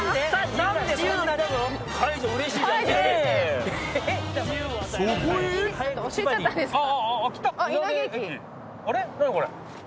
何これ。